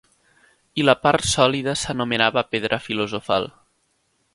I la part sòlida s'anomenava Pedra filosofal.